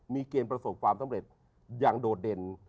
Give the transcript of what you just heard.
มีเกณฑ์ประสบความสำเร็จอย่างโดดเด่น